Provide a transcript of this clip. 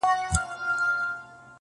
زړه طالب کړه د الفت په مدرسه کي,